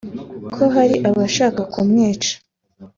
ko hari abashaka kumwica